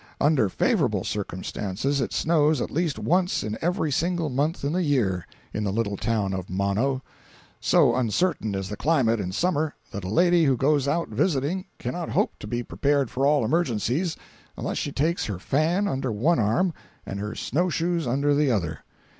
Under favorable circumstances it snows at least once in every single month in the year, in the little town of Mono. So uncertain is the climate in Summer that a lady who goes out visiting cannot hope to be prepared for all emergencies unless she takes her fan under one arm and her snow shoes under the other.